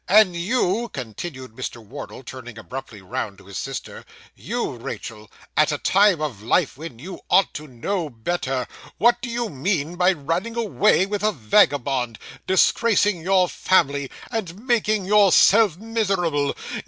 And you,' continued Mr. Wardle, turning abruptly round to his sister 'you, Rachael, at a time of life when you ought to know better, what do you mean by running away with a vagabond, disgracing your family, and making yourself miserable?